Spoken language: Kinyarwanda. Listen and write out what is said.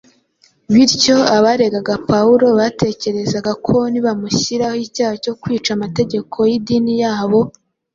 bityo abaregaga Pawulo batekerezaga ko nibamushyiraho icyaha cyo kwica amategeko y’idini yabo,